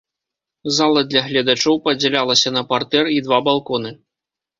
Зала для гледачоў падзялялася на партэр і два балконы.